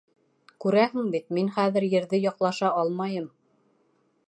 Күрәһең бит, мин хәҙер Ерҙе яҡлаша алмайым.